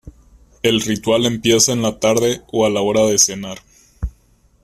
El ritual empieza en la tarde o a la hora de cenar.